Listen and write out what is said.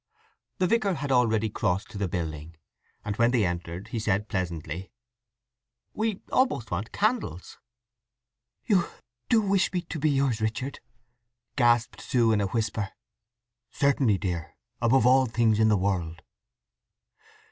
The vicar had already crossed to the building, and when they entered he said pleasantly: "We almost want candles." "You do—wish me to be yours, Richard?" gasped Sue in a whisper. "Certainly, dear; above all things in the world."